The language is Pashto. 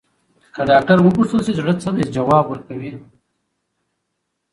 که ډاکټر وپوښتل شي، زړه څه دی، ځواب ورکوي.